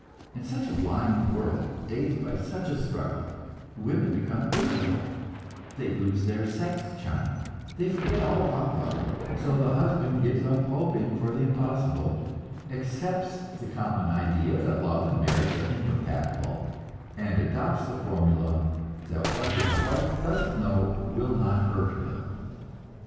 In such a blind world, dazed by such a struggle, women become irritable, they lose their sex charm, they forget all about love; so the husband gives up hoping for the impossible, accepts the common idea that love and marriage are incompatible, and adopts the formula that what his wife doesn't know will not hurt her.